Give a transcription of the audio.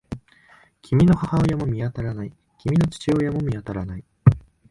君の母親も見当たらない。君の父親も見当たらない。